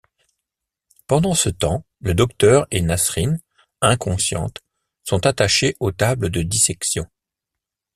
Pendant ce temps, le Docteur et Nasreen, inconsciente, sont attachés aux tables de dissection.